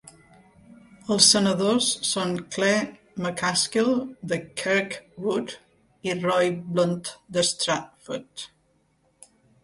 Els senadors són Claire McCaskill, de Kirkwood , i Roy Blunt, de Strafford.